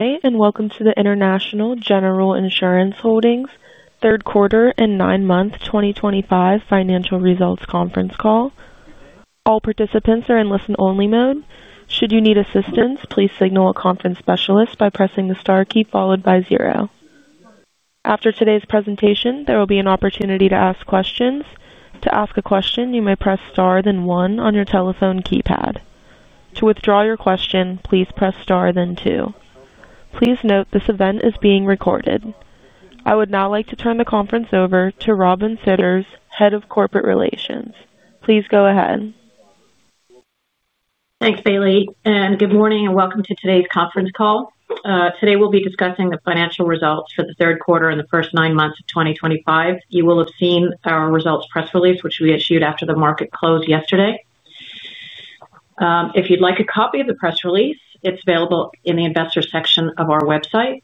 Hey, and welcome to the International General Insurance Holdings Third Quarter and Nine-Month 2025 Financial Results Conference Call. All participants are in listen-only mode. Should you need assistance, please signal a conference specialist by pressing the star key followed by zero. After today's presentation, there will be an opportunity to ask questions. To ask a question, you may press star then one on your telephone keypad. To withdraw your question, please press star then two. Please note this event is being recorded. I would now like to turn the conference over to Robin Sidders, Head of Corporate Relations. Please go ahead. Thanks, Bailey. Good morning and welcome to today's conference call. Today, we'll be discussing the financial results for the third quarter and the first nine months of 2025. You will have seen our results press release, which we issued after the market closed yesterday. If you'd like a copy of the press release, it's available in the investor section of our website.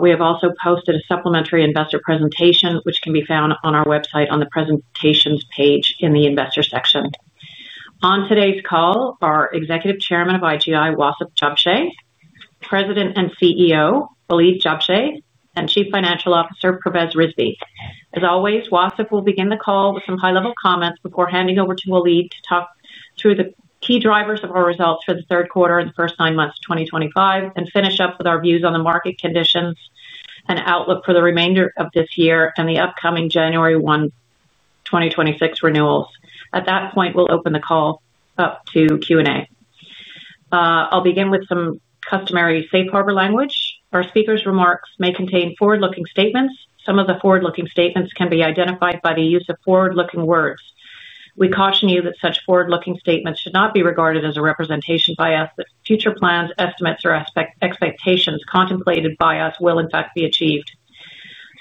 We have also posted a supplementary investor presentation, which can be found on our website on the presentations page in the investor section. On today's call are Executive Chairman of IGI, Wasef Jabsheh, President and CEO, Waleed Jabsheh, and Chief Financial Officer, Pervez Rizvi. As always, Wasef will begin the call with some high-level comments before handing over to Waleed to talk through the key drivers of our results for the third quarter and the first nine months of 2025 and finish up with our views on the market conditions and outlook for the remainder of this year and the upcoming January 1, 2026, renewals. At that point, we'll open the call up to Q&A. I'll begin with some customary safe harbor language. Our speakers' remarks may contain forward-looking statements. Some of the forward-looking statements can be identified by the use of forward-looking words. We caution you that such forward-looking statements should not be regarded as a representation by us, that future plans, estimates, or expectations contemplated by us will, in fact, be achieved.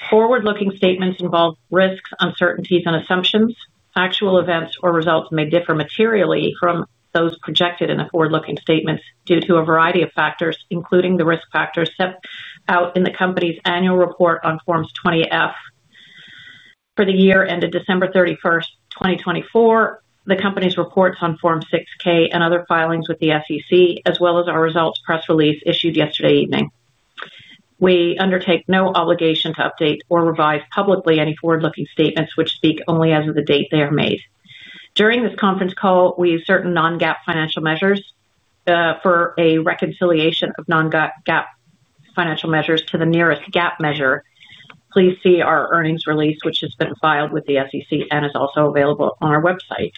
Forward-looking statements involve risks, uncertainties, and assumptions. Actual events or results may differ materially from those projected in the forward-looking statements due to a variety of factors, including the risk factors set out in the company's annual report on Forms 20F. For the year ended December 31, 2024, the company's reports on Form 6K and other filings with the SEC, as well as our results press release issued yesterday evening. We undertake no obligation to update or revise publicly any forward-looking statements, which speak only as of the date they are made. During this conference call, we use certain non-GAAP financial measures. For a reconciliation of non-GAAP financial measures to the nearest GAAP measure, please see our earnings release, which has been filed with the SEC and is also available on our website.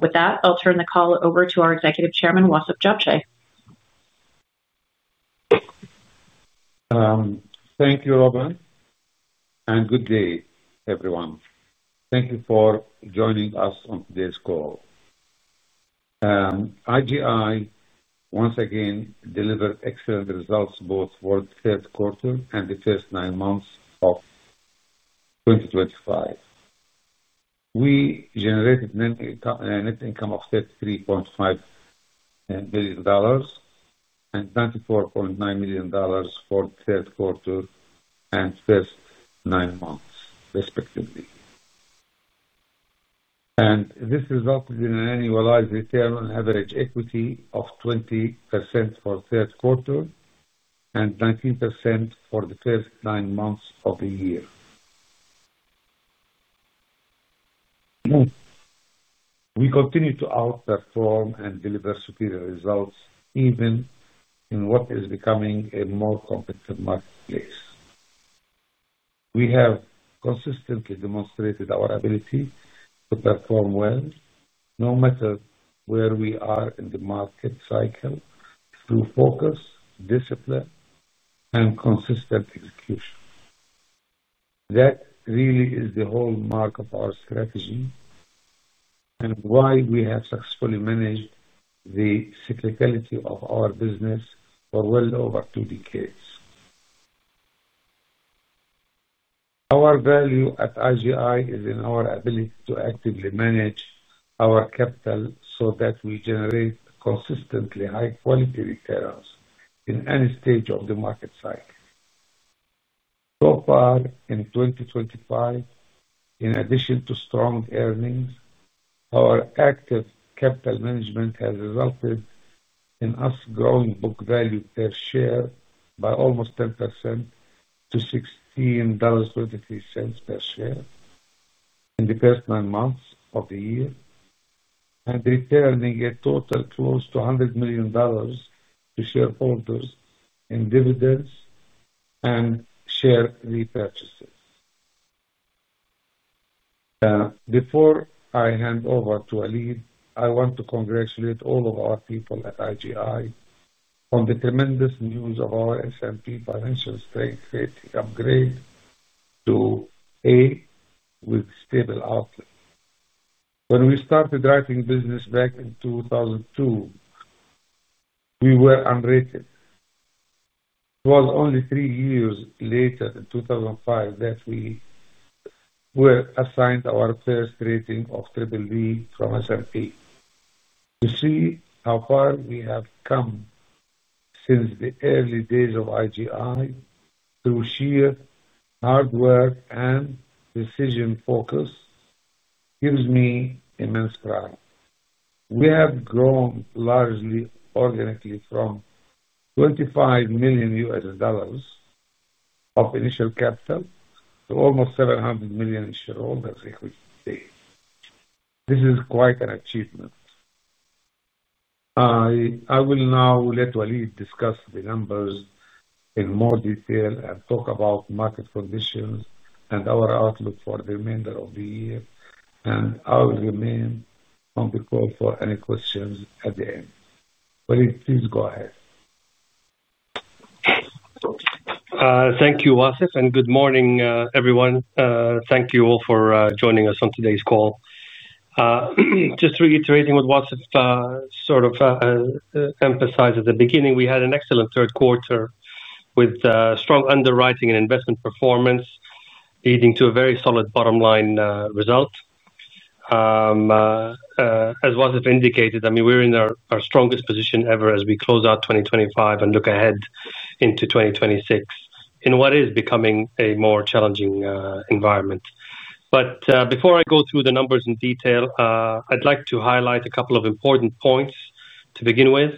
With that, I'll turn the call over to our Executive Chairman, Wasef Jabsheh. Thank you, Robin. And good day, everyone. Thank you for joining us on today's call. IGI, once again, delivered excellent results both for the third quarter and the first nine months of 2025. We generated net income of $33.5 million and $94.9 million for the third quarter and first nine months, respectively. And this resulted in an annualized return on average equity of 20% for the third quarter and 19% for the first nine months of the year. We continue to outperform and deliver superior results even in what is becoming a more competitive marketplace. We have consistently demonstrated our ability to perform well no matter where we are in the market cycle through focus, discipline, and consistent execution. That really is the hallmark of our strategy. And why we have successfully managed the cyclicality of our business for well over two decades. Our value at IGI is in our ability to actively manage our capital so that we generate consistently high-quality returns in any stage of the market cycle. So far, in 2025. In addition to strong earnings, our active capital management has resulted in us growing book value per share by almost 10% to $16.23 per share in the first nine months of the year, and returning a total close to $100 million to shareholders in dividends and share repurchases. Before I hand over to Waleed, I want to congratulate all of our people at IGI on the tremendous news of our S&P Financial Strength Rating upgrade to A with stable outlook. When we started writing business back in 2002, we were unrated. It was only three years later, in 2005, that we were assigned our first rating of BBB from S&P. To see how far we have come. Since the early days of IGI, through sheer hard work and decision focus, gives me immense pride. We have grown largely organically from $25 million of initial capital to almost $700 million shareholders equity today. This is quite an achievement. I will now let Waleed discuss the numbers in more detail and talk about market conditions and our outlook for the remainder of the year. I'll remain on the call for any questions at the end. Waleed, please go ahead. Thank you, Wasef, and good morning, everyone. Thank you all for joining us on today's call. Just reiterating what Wasef sort of emphasized at the beginning, we had an excellent third quarter with strong underwriting and investment performance, leading to a very solid bottom line result. As Wasef indicated, I mean, we're in our strongest position ever as we close out 2025 and look ahead into 2026 in what is becoming a more challenging environment. Before I go through the numbers in detail, I'd like to highlight a couple of important points to begin with.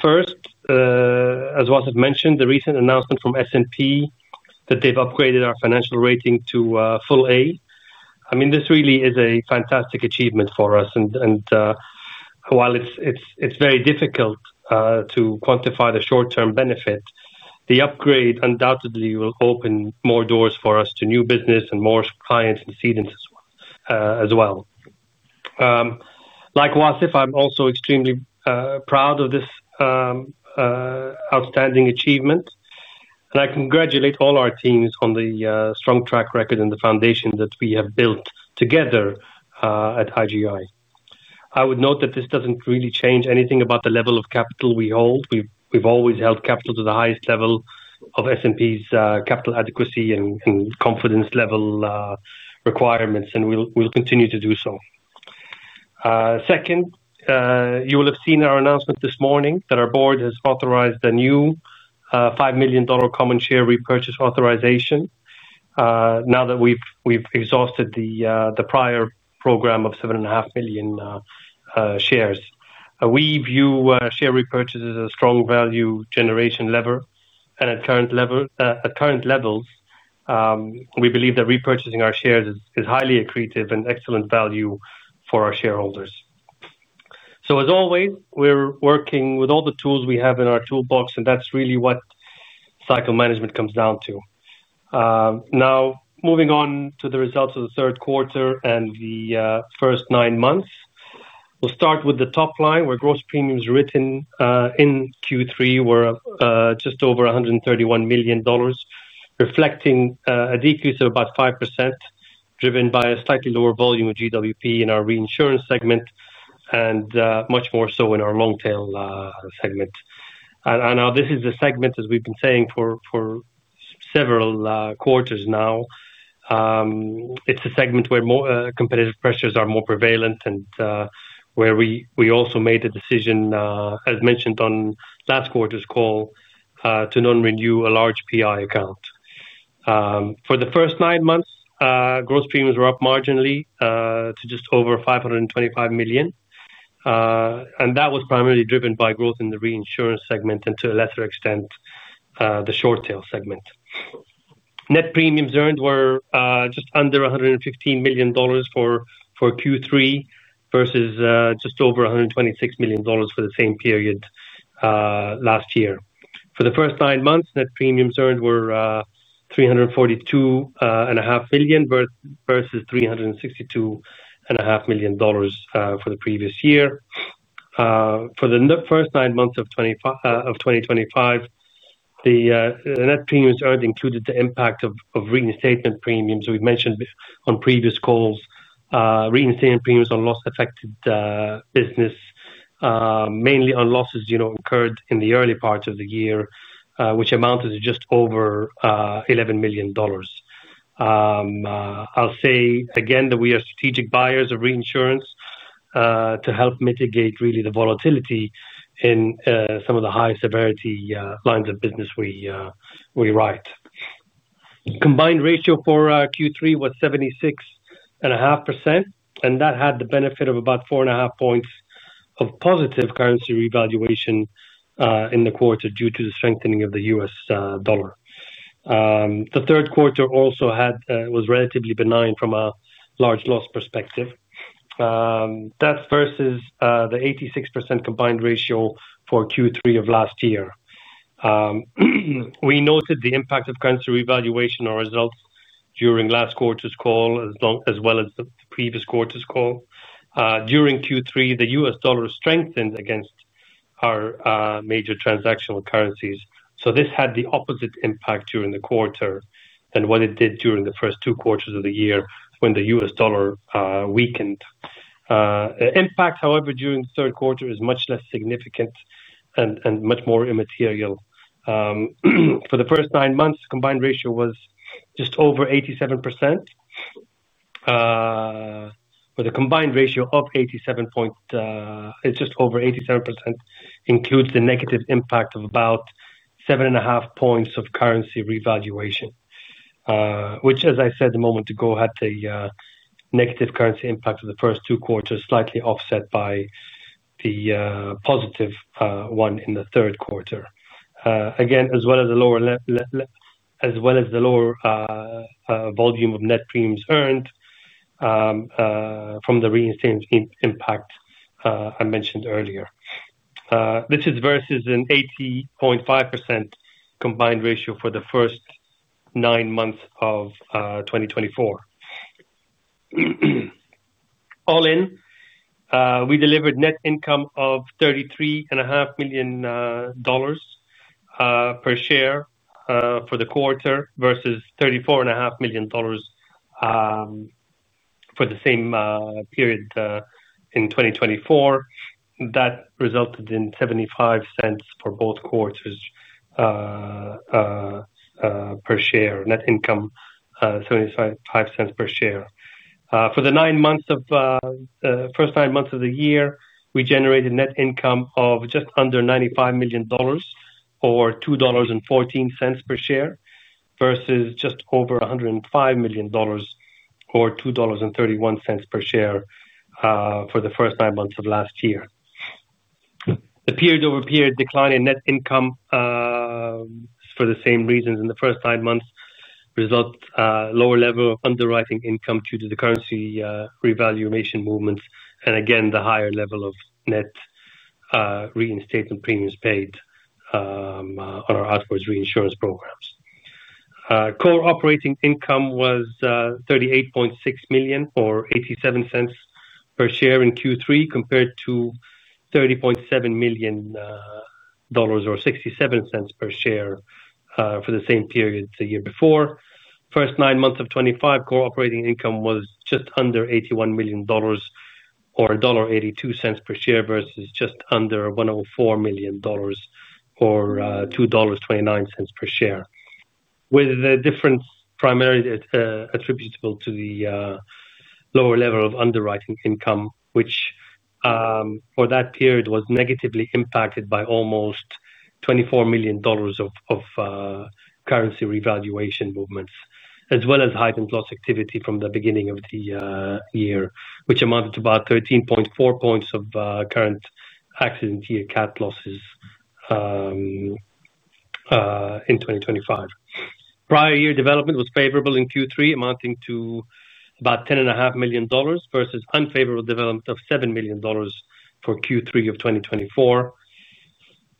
First, as Wasef mentioned, the recent announcement from S&P that they've upgraded our financial rating to full A. I mean, this really is a fantastic achievement for us. While it's very difficult to quantify the short-term benefit, the upgrade undoubtedly will open more doors for us to new business and more clients and seedings as well. Like Wasef, I'm also extremely proud of this outstanding achievement. I congratulate all our teams on the strong track record and the foundation that we have built together at IGI. I would note that this doesn't really change anything about the level of capital we hold. We've always held capital to the highest level of S&P's capital adequacy and confidence level requirements, and we'll continue to do so. Second, you will have seen our announcement this morning that our Board has authorized a new $5 million common share repurchase authorization now that we've exhausted the prior program of 7.5 million shares. We view share repurchase as a strong value generation lever. At current levels, we believe that repurchasing our shares is highly accretive and excellent value for our shareholders. As always, we're working with all the tools we have in our toolbox, and that's really what cycle management comes down to. Now, moving on to the results of the third quarter and the first nine months, we'll start with the top line, where gross premiums written in Q3 were just over $131 million, reflecting a decrease of about 5%, driven by a slightly lower volume of GWP in our reinsurance segment and much more so in our long-tail segment. This is the segment, as we've been saying for several quarters now, where competitive pressures are more prevalent and where we also made the decision, as mentioned on last quarter's call, to non-renew a large PI account. For the first nine months, gross premiums were up marginally to just over $525 million. That was primarily driven by growth in the reinsurance segment and, to a lesser extent, the short-tail segment. Net premiums earned were just under $115 million for Q3 versus just over $126 million for the same period last year. For the first nine months, net premiums earned were $342.5 million versus $362.5 million for the previous year. For the first nine months of 2025, the net premiums earned included the impact of reinstatement premiums. We have mentioned on previous calls, reinstatement premiums on loss-affected business, mainly on losses incurred in the early part of the year, which amounted to just over $11 million. I'll say again that we are strategic buyers of reinsurance to help mitigate really the volatility in some of the high severity lines of business we write. Combined ratio for Q3 was 76.5%, and that had the benefit of about 4.5 points of positive currency revaluation in the quarter due to the strengthening of the U.S. dollar. The third quarter also was relatively benign from a large loss perspective. That is versus the 86% combined ratio for Q3 of last year. We noted the impact of currency revaluation on our results during last quarter's call, as well as the previous quarter's call. During Q3, the U.S. dollar strengthened against our major transactional currencies. This had the opposite impact during the quarter than what it did during the first two quarters of the year when the U.S. dollar weakened. The impact, however, during the third quarter is much less significant and much more immaterial. For the first nine months, the combined ratio was just over 87%, with a combined ratio of 87. It's just over 87% includes the negative impact of about 7.5 points of currency revaluation. Which, as I said a moment ago, had the negative currency impact of the first two quarters slightly offset by the positive one in the third quarter. Again, as well as the lower volume of net premiums earned from the reinstatement impact I mentioned earlier. This is versus an 80.5% combined ratio for the first nine months of 2024. All in, we delivered net income of $33.5 million per share for the quarter versus $34.5 million for the same period in 2024. That resulted in $0.75 for both quarters per share. Net income, $0.75 per share. For the first nine months of the year, we generated net income of just under $95 million, or $2.14 per share, versus just over $105 million, or $2.31 per share. For the first nine months of last year. The period-over-period decline in net income. For the same reasons in the first nine months resulted in a lower level of underwriting income due to the currency revaluation movements and, again, the higher level of net reinstatement premiums paid on our outwards reinsurance programs. Core operating income was $38.6 million or $0.87 per share in Q3 compared to $30.7 million or $0.67 per share for the same period the year before. First nine months of 2025, core operating income was just under $81 million or $1.82 per share versus just under $104 million or $2.29 per share, with the difference primarily attributable to the lower level of underwriting income, which for that period was negatively impacted by almost $24 million of currency revaluation movements, as well as heightened loss activity from the beginning of the year, which amounted to about 13.4 points of current accident-year cap losses in 2025. Prior year development was favorable in Q3, amounting to about $10.5 million versus unfavorable development of $7 million for Q3 of 2024.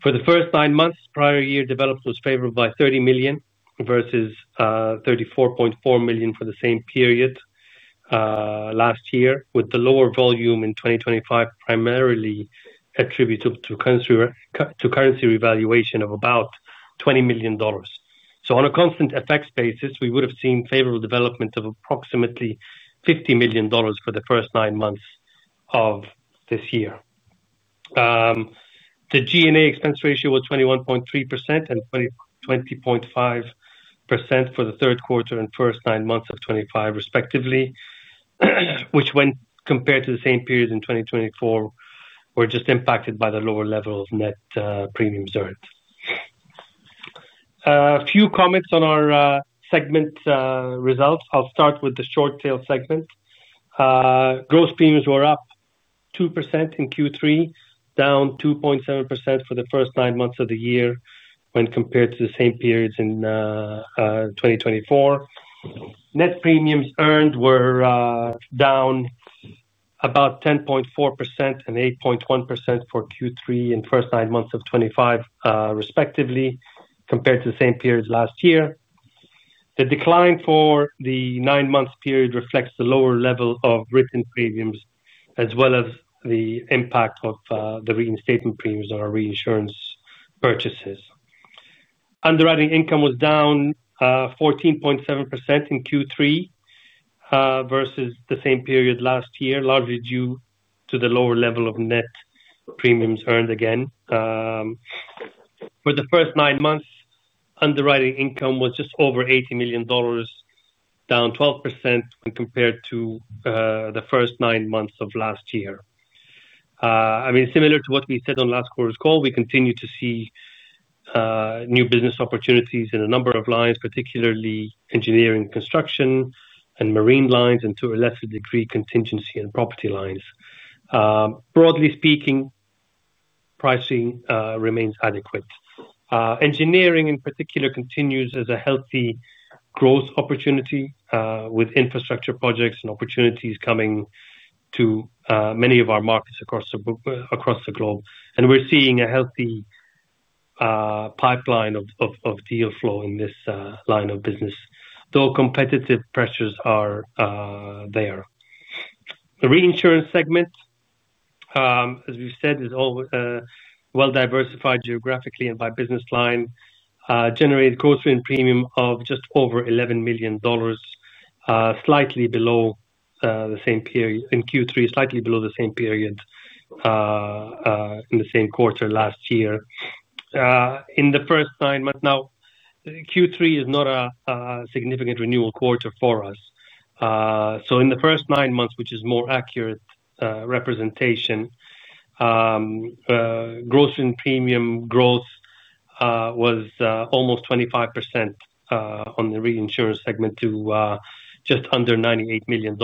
For the first nine months, prior year development was favorable by $30 million versus $34.4 million for the same period last year, with the lower volume in 2025 primarily attributed to currency revaluation of about $20 million. On a constant effects basis, we would have seen favorable development of approximately $50 million for the first nine months of this year. The G&A expense ratio was 21.3% and 20.5% for the third quarter and first nine months of 2025, respectively, which, when compared to the same period in 2024, were just impacted by the lower level of net premiums earned. A few comments on our segment results. I'll start with the short-tail segment. Gross premiums were up 2% in Q3, down 2.7% for the first nine months of the year when compared to the same periods in 2024. Net premiums earned were down about 10.4% and 8.1% for Q3 and first nine months of 2025, respectively, compared to the same period last year. The decline for the nine-month period reflects the lower level of written premiums as well as the impact of the reinstatement premiums on our reinsurance purchases. Underwriting income was down 14.7% in Q3 versus the same period last year, largely due to the lower level of net premiums earned again. For the first nine months, underwriting income was just over $80 million, down 12% when compared to the first nine months of last year. I mean, similar to what we said on last quarter's call, we continue to see new business opportunities in a number of lines, particularly engineering construction and marine lines, and to a lesser degree, contingency and property lines. Broadly speaking, pricing remains adequate. Engineering, in particular, continues as a healthy growth opportunity with infrastructure projects and opportunities coming to many of our markets across the globe. We are seeing a healthy pipeline of deal flow in this line of business, though competitive pressures are there. The reinsurance segment, as we've said, is well-diversified geographically and by business line, generated gross premium of just over $11 million, slightly below the same period in Q3, slightly below the same period in the same quarter last year. In the first nine months now, Q3 is not a significant renewal quarter for us. In the first nine months, which is a more accurate representation, gross premium growth was almost 25% on the reinsurance segment to just under $98 million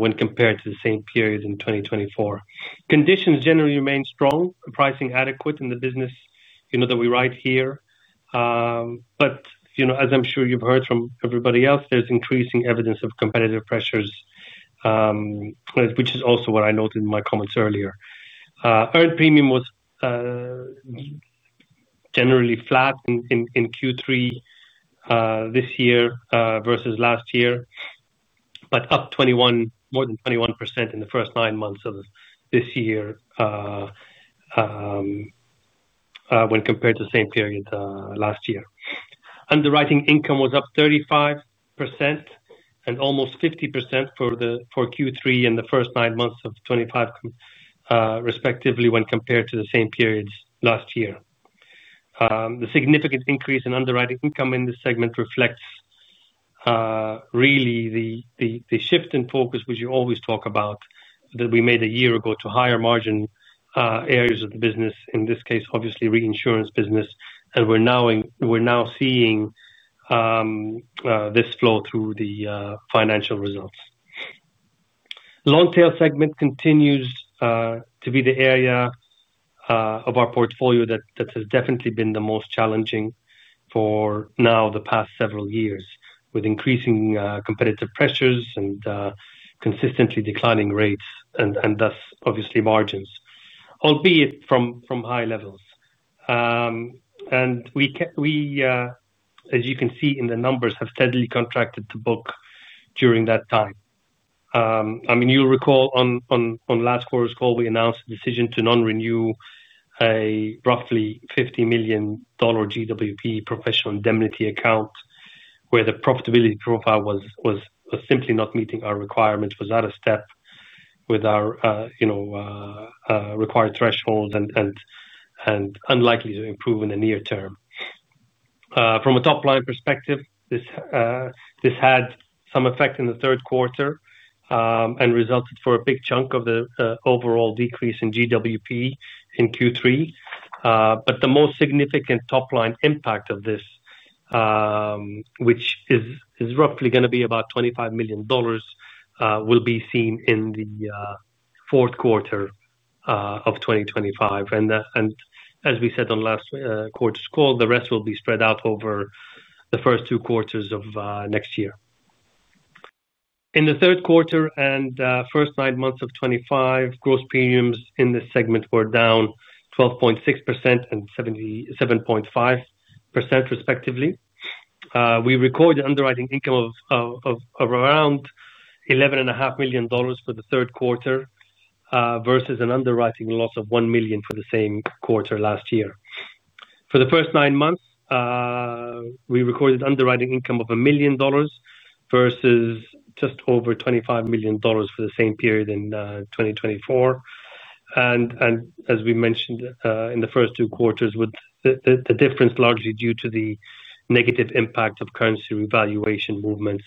when compared to the same period in 2024. Conditions generally remain strong, pricing adequate in the business that we write here. As I'm sure you've heard from everybody else, there's increasing evidence of competitive pressures, which is also what I noted in my comments earlier. Earned premium was generally flat in Q3 this year versus last year, but up more than 21% in the first nine months of this year when compared to the same period last year. Underwriting income was up 35% and almost 50% for Q3 and the first nine months of 2025, respectively, when compared to the same periods last year. The significant increase in underwriting income in this segment reflects really the shift in focus, which you always talk about, that we made a year ago to higher margin. Areas of the business, in this case, obviously reinsurance business. And we're now seeing this flow through the financial results. Long-tail segment continues to be the area of our portfolio that has definitely been the most challenging for now the past several years, with increasing competitive pressures and consistently declining rates and thus, obviously, margins, albeit from high levels. As you can see in the numbers, have steadily contracted to book during that time. I mean, you'll recall on last quarter's call, we announced a decision to non-renew a roughly $50 million GWP professional indemnity account, where the profitability profile was simply not meeting our requirements, was at a step with our required threshold and unlikely to improve in the near term. From a top-line perspective, this had some effect in the third quarter and resulted for a big chunk of the overall decrease in GWP in Q3. The most significant top-line impact of this, which is roughly going to be about $25 million, will be seen in the fourth quarter of 2025. As we said on last quarter's call, the rest will be spread out over the first two quarters of next year. In the third quarter and first nine months of 2025, gross premiums in this segment were down 12.6% and 77.5%, respectively. We recorded underwriting income of around $11.5 million for the third quarter, versus an underwriting loss of $1 million for the same quarter last year. For the first nine months, we recorded underwriting income of $1 million, versus just over $25 million for the same period in 2024. As we mentioned in the first two quarters, the difference is largely due to the negative impact of currency revaluation movements.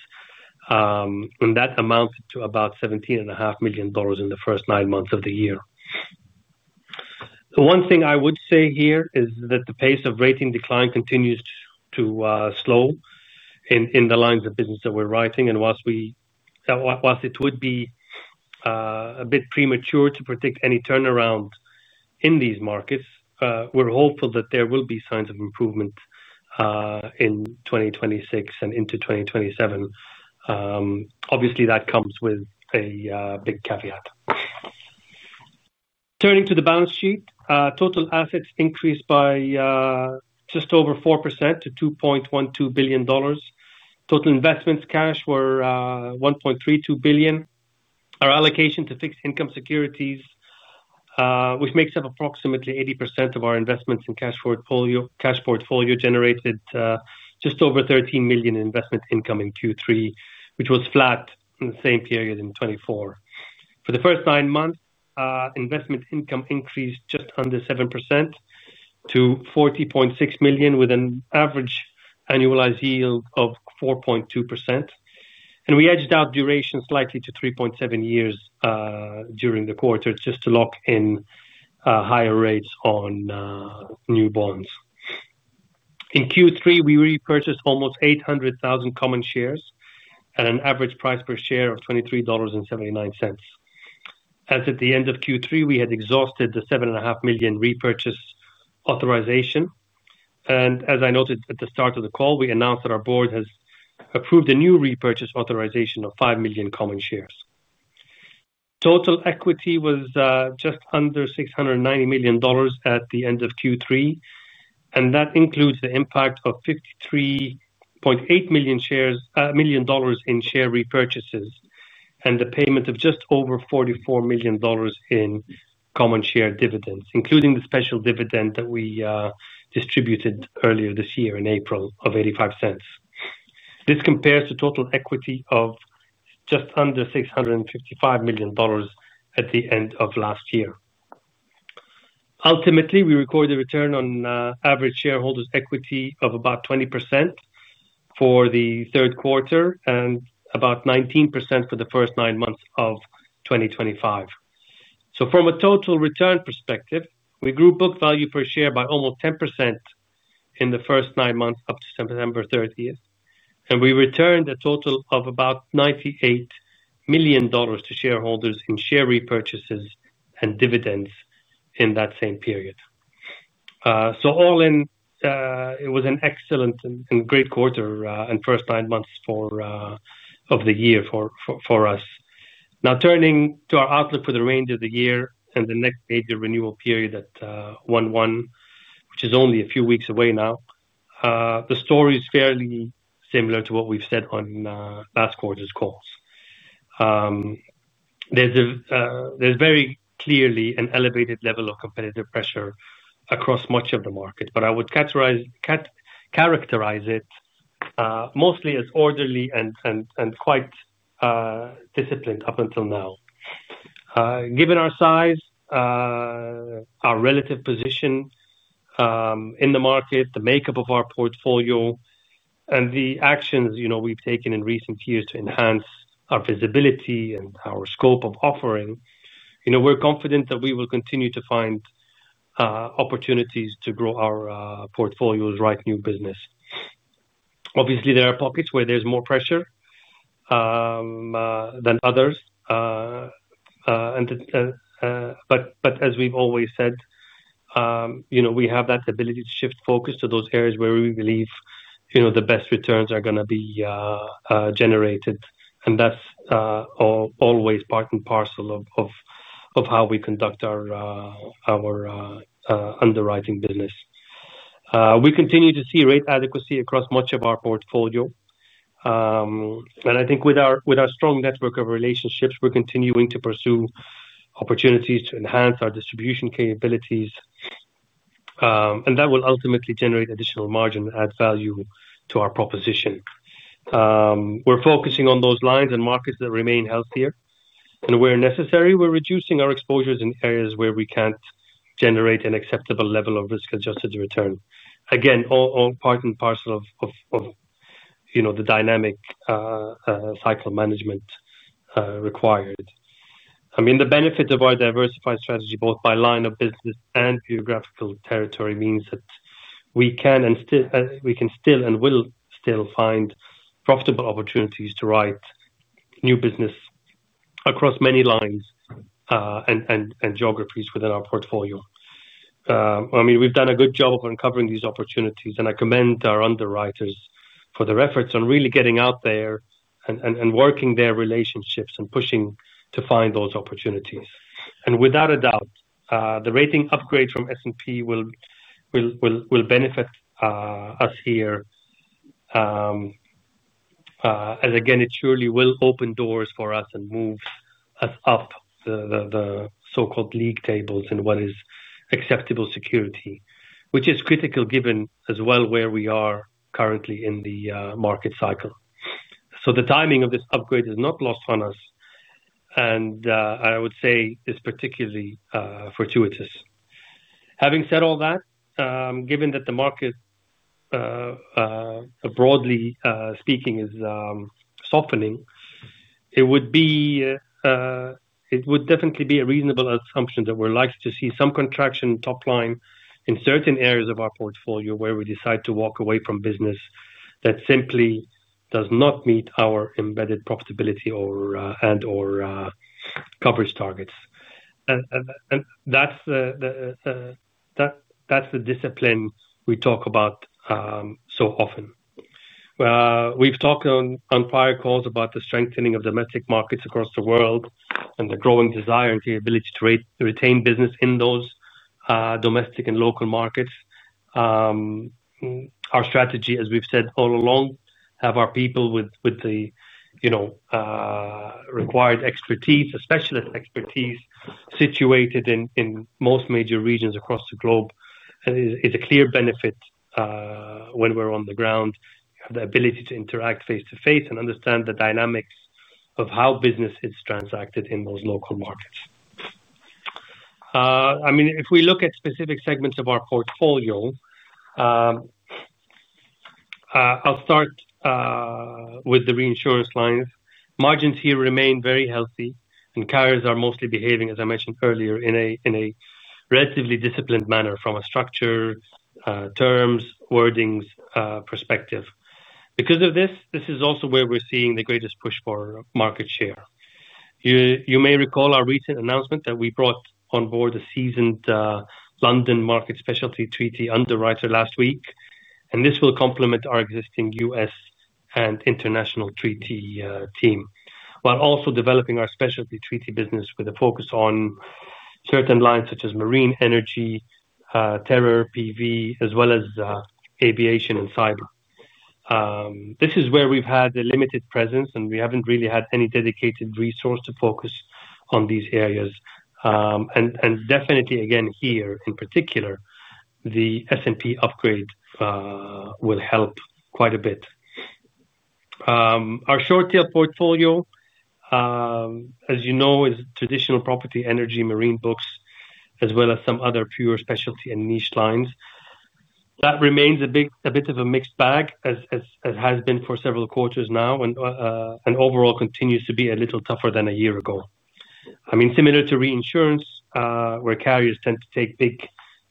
That amounted to about $17.5 million in the first nine months of the year. The one thing I would say here is that the pace of rating decline continues to slow in the lines of business that we're writing. While it would be a bit premature to predict any turnaround in these markets, we're hopeful that there will be signs of improvement in 2026 and into 2027. Obviously, that comes with a big caveat. Turning to the balance sheet, total assets increased by just over 4% to $2.12 billion. Total investments cash were $1.32 billion. Our allocation to fixed income securities, which makes up approximately 80% of our investments in cash portfolio, generated just over $13 million in investment income in Q3, which was flat in the same period in 2024. For the first nine months, investment income increased just under 7% to $40.6 million with an average annualized yield of 4.2%. We edged out duration slightly to 3.7 years during the quarter just to lock in higher rates on new bonds. In Q3, we repurchased almost 800,000 common shares at an average price per share of $23.79. As at the end of Q3, we had exhausted the $7.5 million repurchase authorization. As I noted at the start of the call, we announced that our Board has approved a new repurchase authorization of 5 million common shares. Total equity was just under $690 million at the end of Q3. That includes the impact of $53.8 million in share repurchases and the payment of just over $44 million in common share dividends, including the special dividend that we distributed earlier this year in April of $0.85. This compares to total equity of just under $655 million at the end of last year. Ultimately, we recorded a return on average shareholders' equity of about 20% for the third quarter and about 19% for the first nine months of 2025. From a total return perspective, we grew book value per share by almost 10% in the first nine months up to September 30th. We returned a total of about $98 million to shareholders in share repurchases and dividends in that same period. All in, it was an excellent and great quarter and first nine months of the year for us. Now, turning to our outlook for the remainder of the year and the next major renewal period at 1/1, which is only a few weeks away now. The story is fairly similar to what we've said on last quarter's calls. There's very clearly an elevated level of competitive pressure across much of the market, but I would characterize it mostly as orderly and quite disciplined up until now. Given our size, our relative position in the market, the makeup of our portfolio, and the actions we've taken in recent years to enhance our visibility and our scope of offering, we're confident that we will continue to find opportunities to grow our portfolios, write new business. Obviously, there are pockets where there's more pressure than others. As we've always said, we have that ability to shift focus to those areas where we believe the best returns are going to be generated. That's always part and parcel of how we conduct our underwriting business. We continue to see rate adequacy across much of our portfolio. I think, with our strong network of relationships, we're continuing to pursue opportunities to enhance our distribution capabilities. That will ultimately generate additional margin and add value to our proposition. We're focusing on those lines and markets that remain healthier. Where necessary, we're reducing our exposures in areas where we can't generate an acceptable level of risk-adjusted return. Again, all part and parcel of the dynamic cycle management required. I mean, the benefit of our diversified strategy, both by line of business and geographical territory, means that we can still and will still find profitable opportunities to write new business across many lines and geographies within our portfolio. I mean, we've done a good job of uncovering these opportunities, and I commend our underwriters for their efforts on really getting out there and working their relationships and pushing to find those opportunities. Without a doubt, the rating upgrade from S&P will benefit us here. It surely will open doors for us and move us up the so-called league tables in what is acceptable security, which is critical given as well where we are currently in the market cycle. The timing of this upgrade is not lost on us. I would say it is particularly fortuitous. Having said all that, given that the market, broadly speaking, is softening, it would definitely be a reasonable assumption that we are likely to see some contraction top line in certain areas of our portfolio where we decide to walk away from business that simply does not meet our embedded profitability and/or coverage targets. That is the discipline we talk about so often. We've talked on prior calls about the strengthening of domestic markets across the world and the growing desire and capability to retain business in those domestic and local markets. Our strategy, as we've said all along, is to have our people with the required expertise, specialist expertise situated in most major regions across the globe, which is a clear benefit. When we're on the ground, you have the ability to interact face-to-face and understand the dynamics of how business is transacted in those local markets. I mean, if we look at specific segments of our portfolio, I'll start with the reinsurance lines. Margins here remain very healthy, and carriers are mostly behaving, as I mentioned earlier, in a relatively disciplined manner from a structure, terms, wordings perspective. Because of this, this is also where we're seeing the greatest push for market share. You may recall our recent announcement that we brought on board a seasoned London market specialty treaty underwriter last week. This will complement our existing US and international treaty team while also developing our specialty treaty business with a focus on certain lines such as marine, energy, terror, PV, as well as aviation and cyber. This is where we've had a limited presence, and we haven't really had any dedicated resource to focus on these areas. Definitely, again, here in particular, the S&P upgrade will help quite a bit. Our short-tail portfolio, as you know, is traditional property, energy, marine books, as well as some other pure specialty and niche lines. That remains a bit of a mixed bag, as has been for several quarters now, and overall continues to be a little tougher than a year ago. I mean, similar to reinsurance, where carriers tend to take big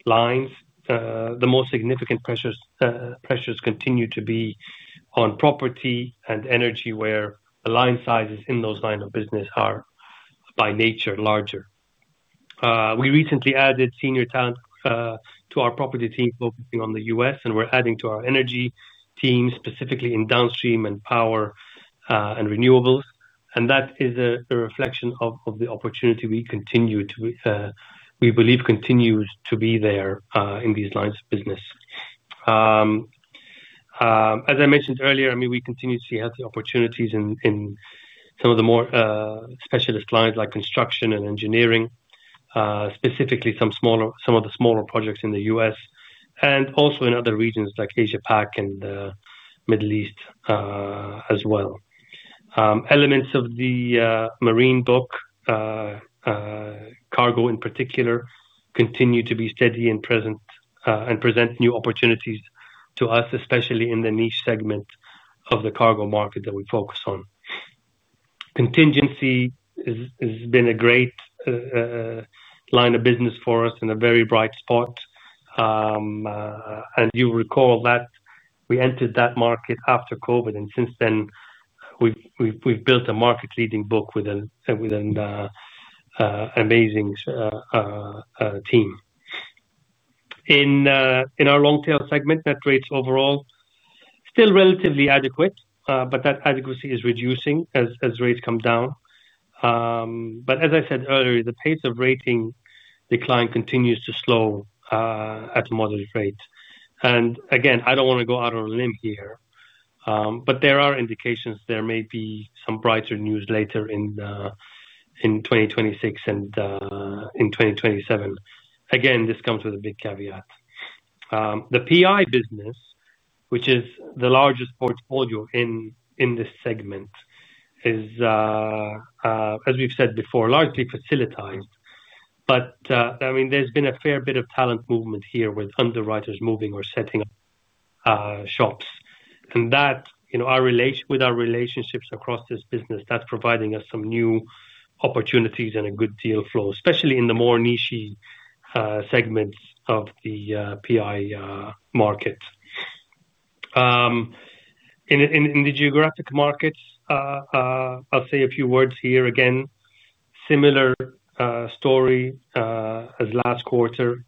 lines, the most significant pressures continue to be on property and energy where the line sizes in those lines of business are, by nature, larger. We recently added senior talent to our property team focusing on the U.S., and we're adding to our energy team, specifically in downstream and power and renewables. That is a reflection of the opportunity we believe continues to be there in these lines of business. As I mentioned earlier, I mean, we continue to see healthy opportunities in some of the more specialist lines like construction and engineering. Specifically some of the smaller projects in the U.S. and also in other regions like Asia-Pacific and the Middle East as well. Elements of the marine book, cargo in particular, continue to be steady and present. New opportunities to us, especially in the niche segment of the cargo market that we focus on. Contingency has been a great line of business for us and a very bright spot. You'll recall that we entered that market after COVID, and since then, we've built a market-leading book with an amazing team. In our long-tail segment, net rates overall are still relatively adequate, but that adequacy is reducing as rates come down. As I said earlier, the pace of rating decline continues to slow at a moderate rate. I don't want to go out on a limb here, but there are indications there may be some brighter news later in 2026 and in 2027. This comes with a big caveat. The PI business, which is the largest portfolio in this segment, is, as we've said before, largely facilitized. I mean, there's been a fair bit of talent movement here with underwriters moving or setting up shops. That, with our relationships across this business, is providing us some new opportunities and a good deal flow, especially in the more niche segments of the PI market. In the geographic markets, I'll say a few words here. Again, similar story as last quarter.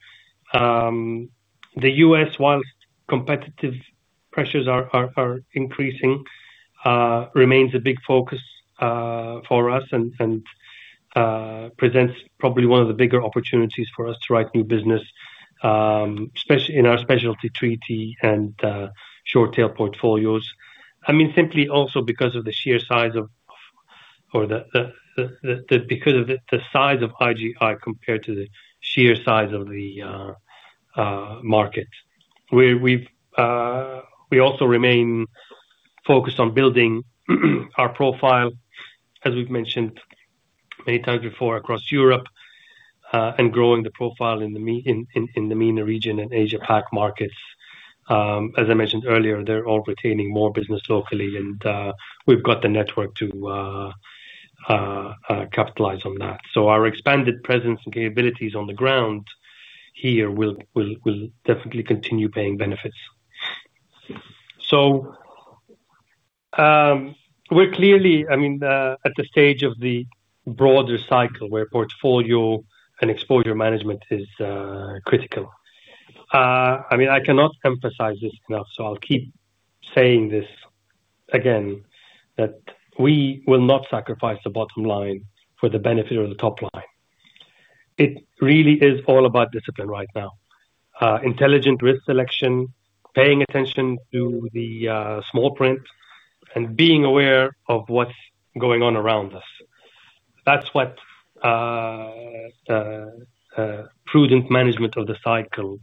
The U.S., whilst competitive pressures are increasing, remains a big focus for us and presents probably one of the bigger opportunities for us to write new business in our specialty treaty and short-tail portfolios. I mean, simply also because of the sheer size of, or because of the size of IGI compared to the sheer size of the market. We also remain focused on building our profile, as we've mentioned many times before, across Europe and growing the profile in the MENA region and Asia-Pac markets. As I mentioned earlier, they're all retaining more business locally, and we've got the network to capitalize on that. Our expanded presence and capabilities on the ground here will definitely continue paying benefits. We're clearly, I mean, at the stage of the broader cycle where portfolio and exposure management is critical. I mean, I cannot emphasize this enough, so I'll keep saying this again, that we will not sacrifice the bottom line for the benefit of the top line. It really is all about discipline right now. Intelligent risk selection, paying attention to the small print, and being aware of what's going on around us. That's what prudent management of the cycle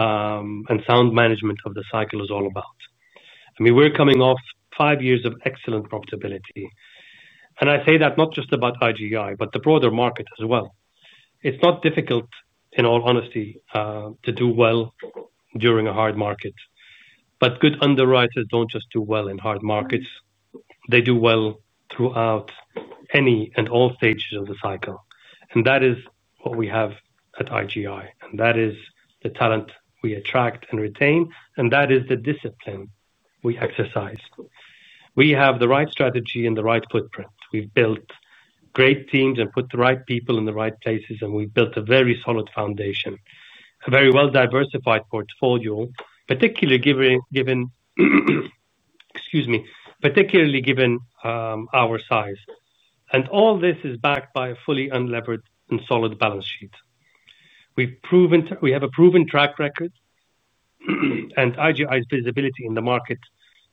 and sound management of the cycle is all about. I mean, we're coming off five years of excellent profitability. And I say that not just about IGI, but the broader market as well. It's not difficult, in all honesty, to do well during a hard market. Good underwriters do not just do well in hard markets. They do well throughout any and all stages of the cycle. That is what we have at IGI. That is the talent we attract and retain, and that is the discipline we exercise. We have the right strategy and the right footprint. We have built great teams and put the right people in the right places, and we have built a very solid foundation, a very well-diversified portfolio, particularly given—excuse me—particularly given our size. All this is backed by a fully unlevered and solid balance sheet. We have a proven track record. IGI's visibility in the market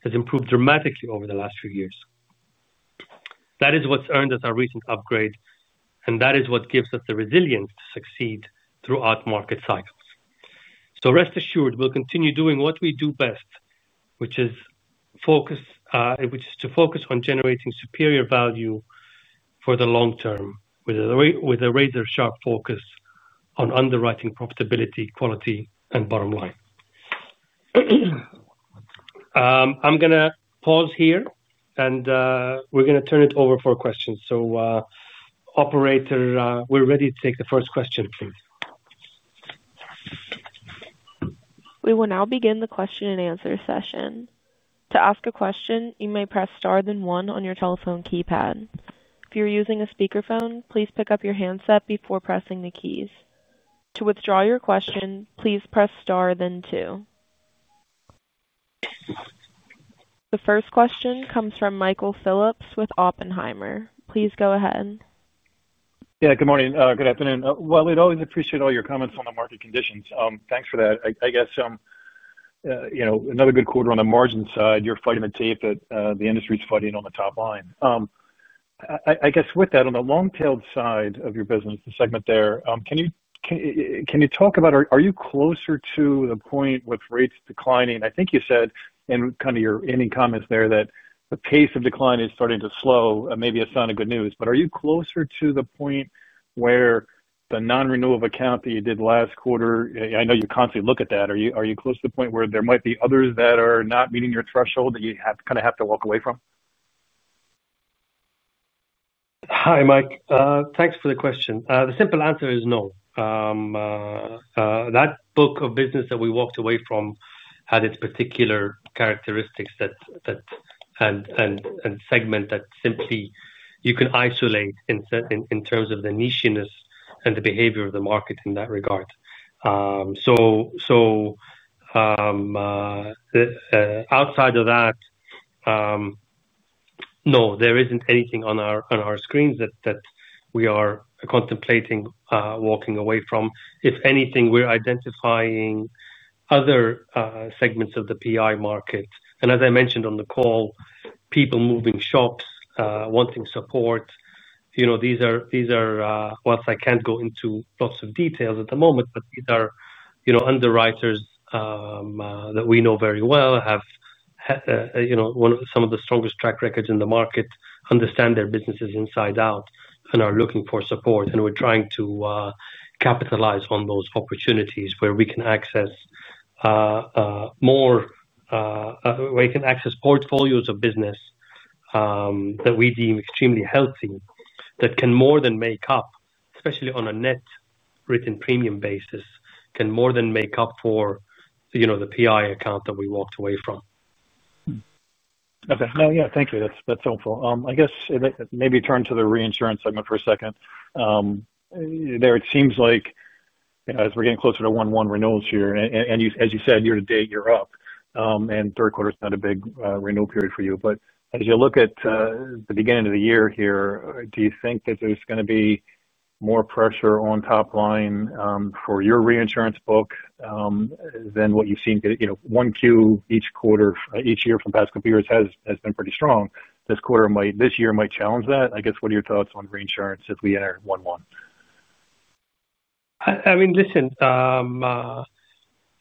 has improved dramatically over the last few years. That is what's earned us our recent upgrade, and that is what gives us the resilience to succeed throughout market cycles. Rest assured, we'll continue doing what we do best, which is to focus on generating superior value for the long term with a razor-sharp focus on underwriting profitability, quality, and bottom line. I'm going to pause here, and we're going to turn it over for questions. Operator, we're ready to take the first question, please. We will now begin the question-and-answer session. To ask a question, you may press star then one on your telephone keypad. If you're using a speakerphone, please pick up your handset before pressing the keys. To withdraw your question, please press star then two. The first question comes from Michael Phillips with Oppenheimer. Please go ahead. Yeah. Good morning. Good afternoon. We'd always appreciate all your comments on the market conditions. Thanks for that. I guess. Another good quarter on the margin side, you're fighting the tape that the industry's fighting on the top line. I guess with that, on the long-tailed side of your business, the segment there, can you talk about are you closer to the point with rates declining? I think you said in kind of your ending comments there that the pace of decline is starting to slow, and maybe it's not good news. Are you closer to the point where the non-renewal of account that you did last quarter? I know you constantly look at that. Are you close to the point where there might be others that are not meeting your threshold that you kind of have to walk away from? Hi, Mike. Thanks for the question. The simple answer is no. That book of business that we walked away from had its particular characteristics and segment that simply you can isolate in terms of the nicheness and the behavior of the market in that regard. Outside of that, no, there isn't anything on our screens that we are contemplating walking away from. If anything, we're identifying other segments of the PI market. As I mentioned on the call, people moving shops, wanting support. These are—I can't go into lots of details at the moment, but these are underwriters that we know very well, have some of the strongest track records in the market, understand their businesses inside out, and are looking for support. We're trying to capitalize on those opportunities where we can access more, where we can access portfolios of business. That we deem extremely healthy that can more than make up, especially on a net written premium basis, can more than make up for the PI account that we walked away from. Okay. No, yeah. Thank you. That's helpful. I guess maybe turn to the reinsurance segment for a second. There it seems like as we're getting closer to one-to-one renewals here, and as you said, year to date, you're up. And third quarter's not a big renewal period for you. But as you look at the beginning of the year here, do you think that there's going to be more pressure on top line for your reinsurance book than what you've seen? One Q each year from the past couple of years has been pretty strong. This year might challenge that. I guess, what are your thoughts on reinsurance as we enter 1/1? I mean, listen.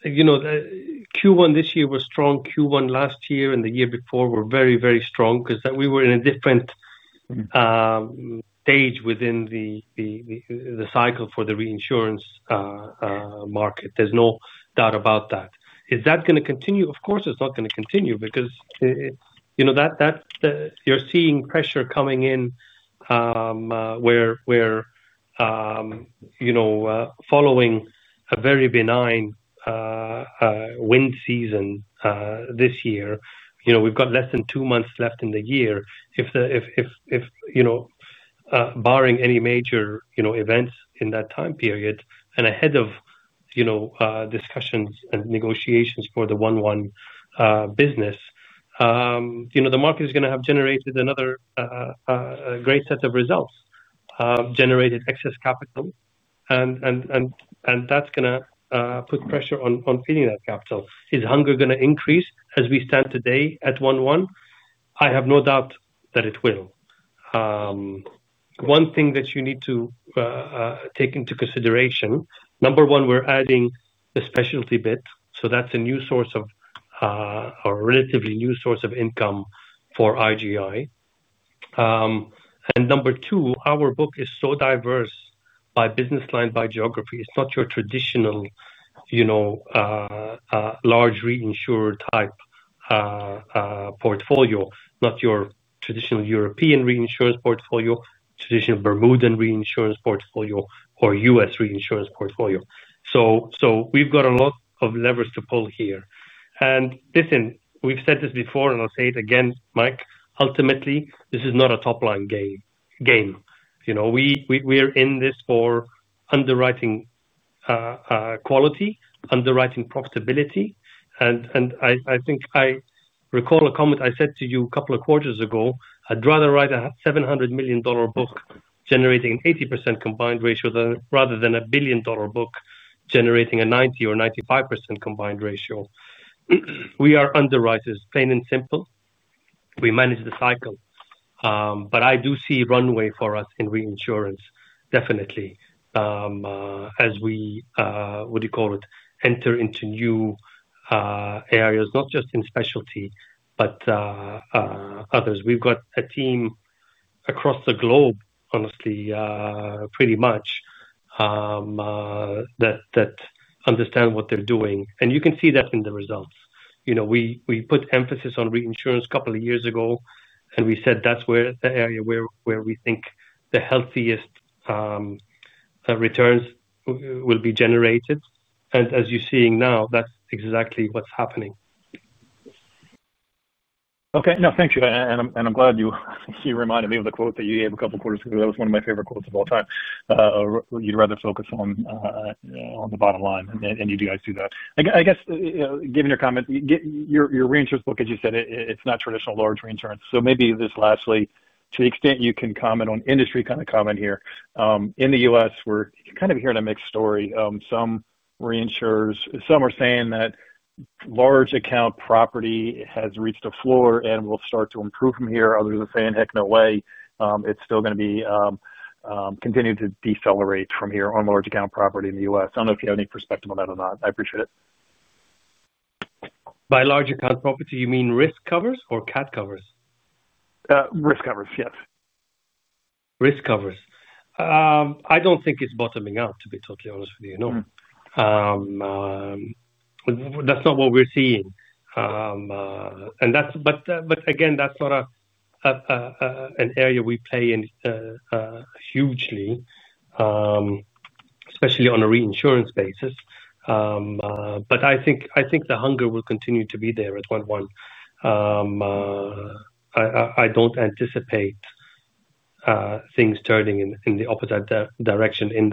Q1 this year was strong. Q1 last year and the year before were very, very strong because we were in a different stage within the cycle for the reinsurance market. There is no doubt about that. Is that going to continue? Of course, it is not going to continue because you are seeing pressure coming in where, following a very benign wind season this year, we have got less than two months left in the year if, barring any major events in that time period and ahead of discussions and negotiations for the one-to-one business, the market is going to have generated another great set of results, generated excess capital, and that is going to put pressure on feeding that capital. Is hunger going to increase as we stand today at one-to-one? I have no doubt that it will. One thing that you need to take into consideration, number one, we are adding the specialty bit. That's a new source of, or a relatively new source of income for IGI. Number two, our book is so diverse by business line, by geography. It's not your traditional large reinsurer type portfolio, not your traditional European reinsurance portfolio, traditional Bermudan reinsurance portfolio, or U.S. reinsurance portfolio. We've got a lot of levers to pull here. Listen, we've said this before, and I'll say it again, Mike, ultimately, this is not a top-line game. We're in this for underwriting quality, underwriting profitability. I think I recall a comment I said to you a couple of quarters ago, "I'd rather write a $700 million book generating an 80% combined ratio rather than a billion-dollar book generating a 90% or 95% combined ratio." We are underwriters, plain and simple. We manage the cycle. I do see runway for us in reinsurance, definitely. As we, what do you call it, enter into new areas, not just in specialty but others, we have got a team across the globe, honestly, pretty much, that understands what they are doing. You can see that in the results. We put emphasis on reinsurance a couple of years ago, and we said that is the area where we think the healthiest returns will be generated. As you are seeing now, that is exactly what is happening. Okay. No, thank you. I am glad you reminded me of the quote that you gave a couple of quarters ago. That was one of my favorite quotes of all time. You would rather focus on the bottom line, and you guys do that. I guess, given your comments, your reinsurance book, as you said, it is not traditional large reinsurance. Maybe this lastly, to the extent you can comment on industry kind of comment here. In the U.S., we're kind of hearing a mixed story. Some reinsurers, some are saying that large account property has reached a floor and will start to improve from here. Others are saying, "Heck, no way. It's still going to be continuing to decelerate from here on large account property in the U.S." I don't know if you have any perspective on that or not. I appreciate it. By large account property, you mean risk covers or cap covers? Risk covers, yes. Risk covers. I don't think it's bottoming out, to be totally honest with you. No. That's not what we're seeing. Again, that's not an area we play in, hugely, especially on a reinsurance basis. I think the hunger will continue to be there at one-to-one. I don't anticipate things turning in the opposite direction in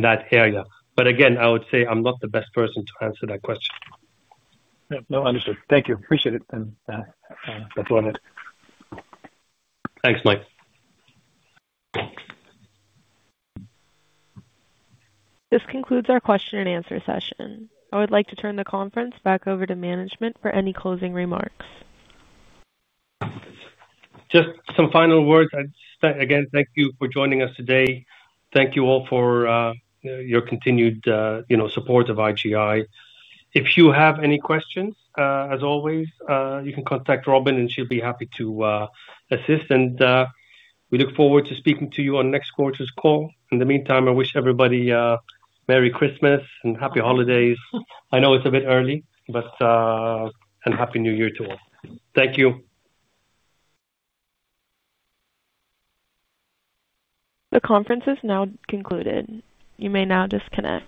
that area. But again, I would say I'm not the best person to answer that question. Yeah. No, understood. Thank you. Appreciate it. That's all I have. Thanks, Mike. This concludes our question-and-answer session. I would like to turn the conference back over to management for any closing remarks. Just some final words. Again, thank you for joining us today. Thank you all for your continued support of IGI. If you have any questions, as always, you can contact Robin, and she'll be happy to assist. We look forward to speaking to you on next quarter's call. In the meantime, I wish everybody Merry Christmas and happy holidays. I know it's a bit early. Happy New Year to all. Thank you. The conference is now concluded. You may now disconnect.